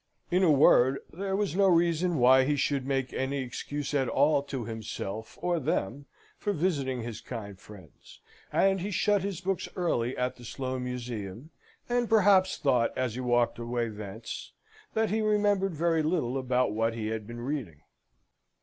In a word, there was no reason why he should make any excuse at all to himself or them for visiting his kind friends; and he shut his books early at the Sloane Museum, and perhaps thought, as he walked away thence, that he remembered very little about what he had been reading.